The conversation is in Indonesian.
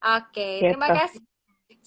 oke terima kasih